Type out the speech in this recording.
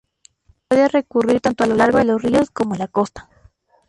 Puede ocurrir tanto a lo largo de los ríos como en la costa.